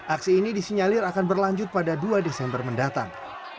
aksi ini disinyalir akan berlanjut pada dua desember mendatang